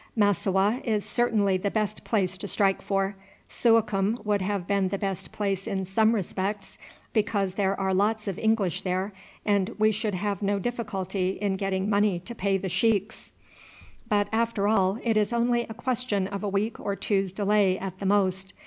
Massowah is certainly the best place to strike for. Suakim would have been the best place in some respects, because there are lots of English there and we should have no difficulty in getting money to pay the sheiks; but after all it is only a question of a week or two's delay at the most.